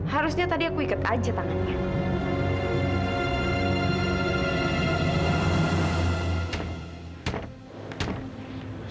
harusnya tadi aku ikut aja tangannya